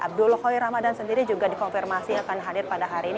abdul khair ramadan sendiri juga dikonfirmasi akan hadir pada hari ini